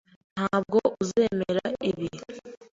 Ntabwo uzemera ibi.